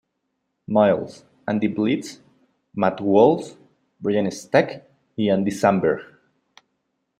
Miles, Andy Blitz, Matt Walsh, Brian Stack, y Andy Samberg.